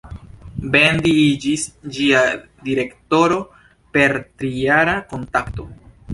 Verdi iĝis ĝia direktoro per trijara kontrakto.